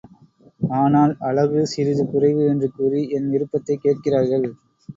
ஆனால் அழகு சிறிது குறைவு என்று கூறி என் விருப்பத்தைக் கேட்கிறார்கள்.